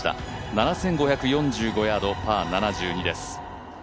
７５４５ヤード、パー７２です。